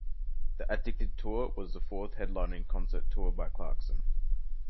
The Addicted Tour was the fourth headlining concert tour by Clarkson.